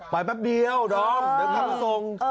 แป๊บเดียวดอมเดี๋ยวขับมาส่ง